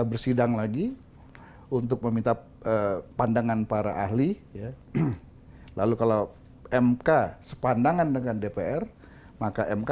bersidang lagi untuk meminta pandangan para ahli ya lalu kalau mk sepandangan dengan dpr maka mk